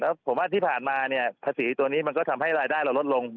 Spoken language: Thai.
แล้วผมว่าที่ผ่านมาเนี่ยภาษีตัวนี้มันก็ทำให้รายได้เราลดลง